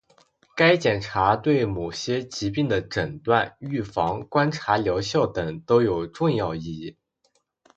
该检查对某些疾病的诊断、预防、观察疗效等都有重要意义